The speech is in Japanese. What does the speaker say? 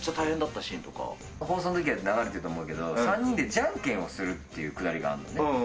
放送のときは流れてると思うんだけど、３人でじゃんけんをするっていうくだりがあるのね。